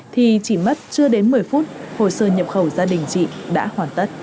thì chỉ mất chưa đến một mươi phút hồ sơ nhập khẩu gia đình chị đã hoàn tất